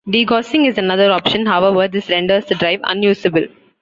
Degaussing is another option; however, this renders the drive unusable.